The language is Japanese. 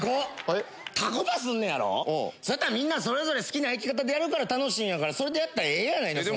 みんなそれぞれ好きな焼き方でやるから楽しいんやからそれでやったらええやないのそんなん。